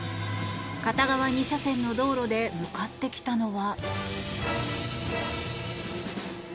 片側２車線の道路で向かってきたのは。